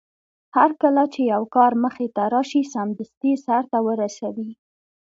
هرکله چې يو کار مخې ته راشي سمدستي يې سرته ورسوي.